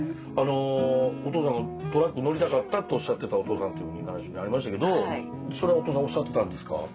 あのお父さんがトラック乗りたかったっておっしゃってたお父さんっていうふうな話ありましたけどそれはお父さんおっしゃってたんですか？